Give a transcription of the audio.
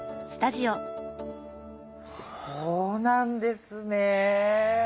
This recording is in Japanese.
そうなんですね。